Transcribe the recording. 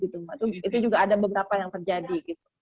itu juga ada beberapa yang terjadi